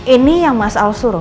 ini yang mas al suruh